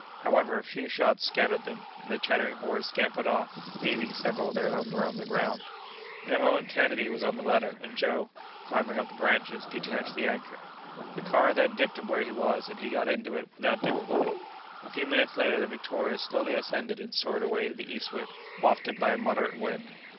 However, a few shots scattered them, and the chattering horde scampered off, leaving several of their number on the ground. In a moment Kennedy was on the ladder, and Joe, clambering up the branches, detached the anchor; the car then dipped to where he was, and he got into it without difficulty. A few minutes later, the Victoria slowly ascended and soared away to the eastward, wafted by a moderate wind.